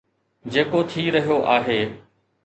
جيڪو ٿي رهيو آهي